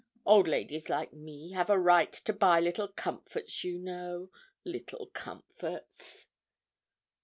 Old ladies like me have a right to buy little comforts, you know, little comforts."